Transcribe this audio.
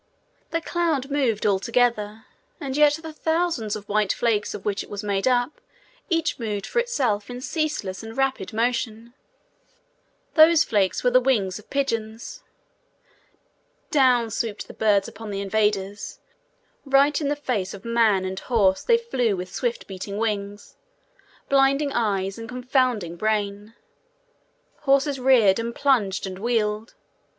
The cloud moved all together, and yet the thousands of white flakes of which it was made up moved each for itself in ceaseless and rapid motion: those flakes were the wings of pigeons. Down swooped the birds upon the invaders; right in the face of man and horse they flew with swift beating wings, blinding eyes and confounding brain. Horses reared and plunged and wheeled.